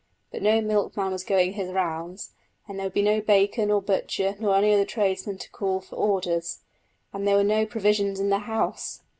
But no milkman was going his rounds, and there would be no baker nor butcher nor any other tradesman to call for orders. And there were no provisions in the house!